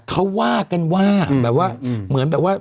เขาว่ากันว่าแบบว่าเหมือนแบบว่า